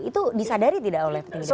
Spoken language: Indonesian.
itu disadari tidak oleh petinggi partai